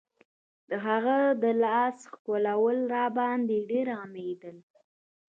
د هغه د لاس ښکلول راباندې ډېر غمېدل.